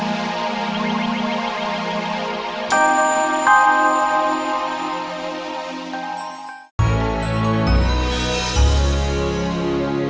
assalamualaikum warahmatullahi wabarakatuh